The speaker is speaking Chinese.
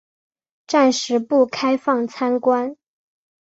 暂时不开放参观